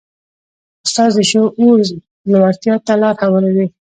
استاد د شعور لوړتیا ته لاره هواروي.